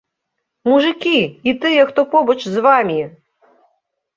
Мужыкі і тыя, хто побач з вамі!